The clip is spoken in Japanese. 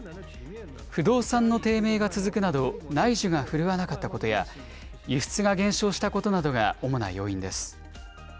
不動産の低迷が続くなど、内需が振るわなかったことや、輸出が減少したことなどが主な要因です。